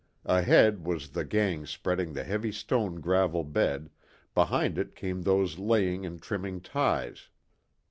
Ahead was the gang spreading the heavy stone gravel bed, behind it came those laying and trimming ties.